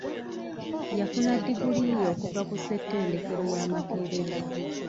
Yafuna ddiguli ye okuva ku ssettendekero ya Makerere.